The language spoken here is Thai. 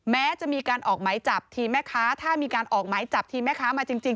แม้จะมีการออกหมายจับทีมแม่ค้าถ้ามีการออกหมายจับทีมแม่ค้ามาจริง